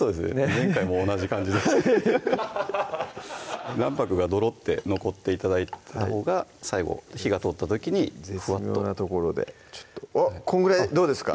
前回も同じ感じで卵白がドロッて残って頂いたほうが最後火が通った時にフワッと絶妙なところであっこのぐらいどうですか？